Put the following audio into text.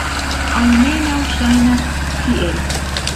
Almenaŭ ŝajnas tiel.